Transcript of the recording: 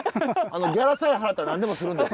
ギャラさえ払ったら何でもするんです。